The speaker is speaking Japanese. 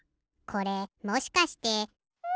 これもしかして。